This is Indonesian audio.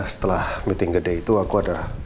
setelah meeting gede itu aku ada